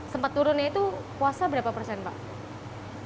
sempat turunnya itu puasa berapa persen pak